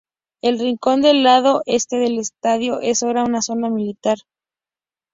El rincón del lado este del estadio es ahora una zona familiar.